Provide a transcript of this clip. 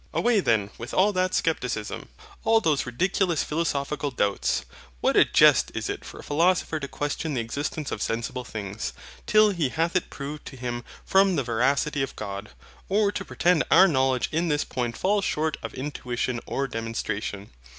Away then with all that scepticism, all those ridiculous philosophical doubts. What a jest is it for a philosopher to question the existence of sensible things, till he hath it proved to him from the veracity of God; or to pretend our knowledge in this point falls short of intuition or demonstration!